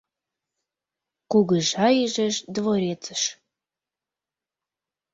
Кугыжа ӱжеш дворецыш.